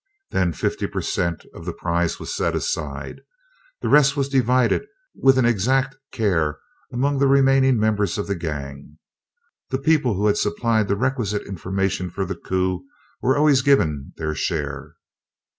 Then fifty per cent of the prize was set aside. The rest was divided with an exact care among the remaining members of the gang. The people who had supplied the requisite information for the coup were always given their share.